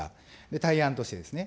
対案としてですね。